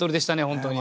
本当に。